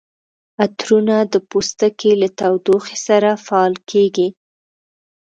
عطرونه د پوستکي له تودوخې سره فعال کیږي.